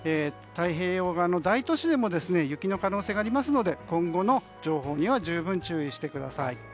太平洋側の大都市でも雪の可能性がありますので今後の情報には十分注意してください。